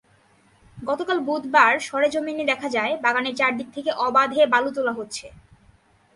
গতকাল বুধবার সরেজমিনে দেখা যায়, বাগানের চারদিক থেকে অবাধে বালু তোলা হচ্ছে।